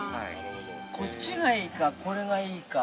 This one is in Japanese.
◆こっちがいいか、これがいいか。